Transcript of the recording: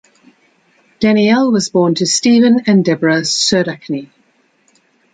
Danielle was born to Steven and Debra Serdachny.